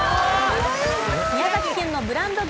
宮崎県のブランド牛